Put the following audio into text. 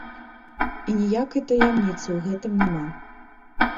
І ніякай таямніцы ў гэтым няма.